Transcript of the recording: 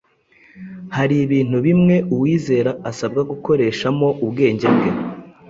Hari ibintu bimwe uwizera asabwa gukoreshamo ubwenge bwe,